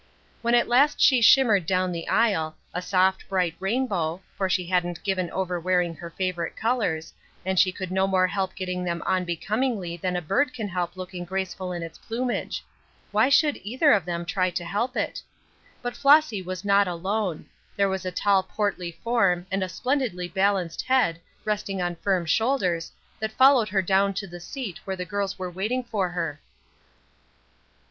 When at last she shimmered down the aisle, a soft, bright rainbow, for she hadn't given over wearing her favorite colors, and she could no more help getting them on becomingly than a bird can help looking graceful in its plumage. (Why should either of them try to help it?) But Flossy was not alone; there was a tall portly form, and a splendidly balanced head, resting on firm shoulders, that followed her down to the seat where the girls were waiting for her.